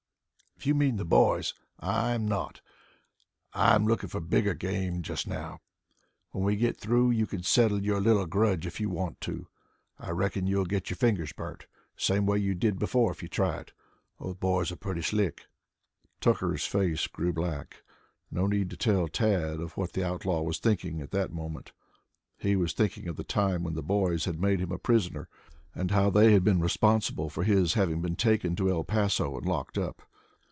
"If you mean the boys, I am not. I am looking for bigger game just now. When we get through you can settle your little grudge if you want to. I reckon you'll get your fingers burnt, the same way you did before, if you try it. Those boys are pretty slick." Tucker's face grew black. No need to tell Tad of what the outlaw was thinking at that moment. He was thinking of the time when the boys had made him a prisoner and how they had been responsible for his having been taken to El Paso and locked up.